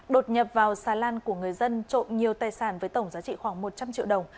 đột nhập vào xà lan của người dân trộm nhiều tài sản với tổng giá trị khoảng một trăm linh triệu đồng